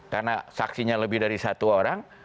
karena saksinya lebih dari satu orang